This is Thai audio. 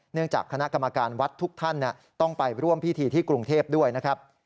จากคณะกรรมการวัดทุกท่านต้องไปร่วมพิธีที่กรุงเทพด้วยนะครับ